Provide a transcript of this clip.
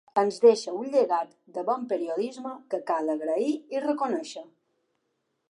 Ens deixa un llegat de bon periodisme que cal agrair i reconèixer.